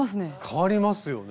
変わりますよね。